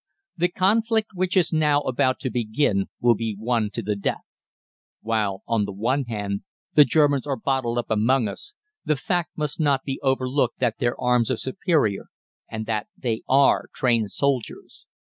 "The conflict which is now about to begin will be one to the death. While, on the one hand, the Germans are bottled up among us, the fact must not be overlooked that their arms are superior, and that they are trained soldiers.